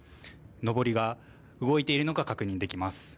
のぼりが動いているのが確認できます。